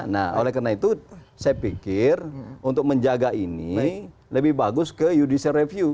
nah oleh karena itu saya pikir untuk menjaga ini lebih bagus ke judicial review